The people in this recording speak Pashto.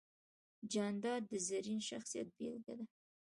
جانداد د زرین شخصیت بېلګه ده.